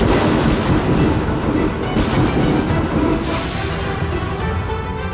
apa yang terjadi dengan kamu